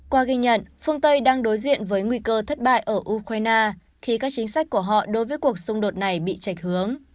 qua ghi nhận phương tây đang đối diện với nguy cơ thất bại ở ukraine khi các chính sách của họ đối với cuộc xung đột này bị chạch hướng